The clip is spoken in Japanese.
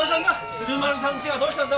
鶴丸さんちがどうしたんだ？